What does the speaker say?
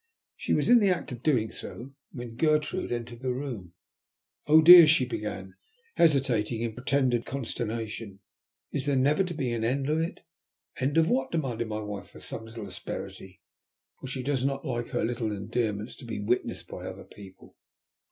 She was in the act of doing so when Gertrude entered the room. "Oh, dear," she began, hesitating in pretended consternation, "is there never to be an end of it?" "An end of what?" demanded my wife with some little asperity, for she does not like her little endearments to be witnessed by other people.